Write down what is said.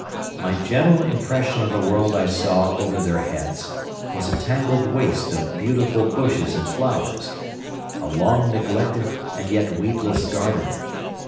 My general impression of the world I saw over their heads was a tangled waste of beautiful bushes and flowers, a long neglected and yet weedless garden.